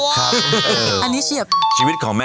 ครับอันนี้เชียบ